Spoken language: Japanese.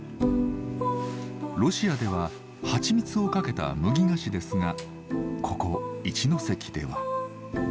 ロシアでは蜂蜜をかけた麦菓子ですがここ一関では。